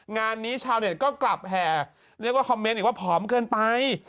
งานนี้ชาวเน็ตก็กลับแห่เรียกว่าคอมเมนต์อีกว่าผอมเกินไป